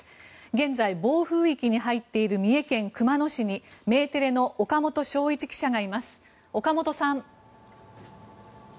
現在、暴風域に入っている三重県熊野市にメテレの岡本祥一記者がいます岡本さん。